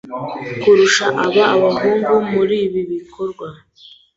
kurusha aba'abahungu muri ibi bikorwa